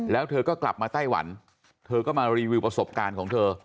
แล้วเธอก็กลับมาไต้หวันเธอก็มารีวิวประสบการณ์ของเธอ